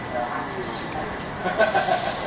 สวัสดีครับ